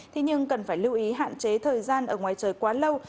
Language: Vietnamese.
thế nhưng cần phải lưu ý hạn chế thời gian ở ngoài trời quá lâu